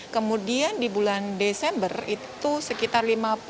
kemudian di bulan desember itu sekitar lima puluh